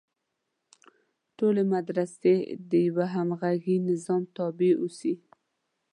ټولې مدرسې د یوه همغږي نظام تابع اوسي.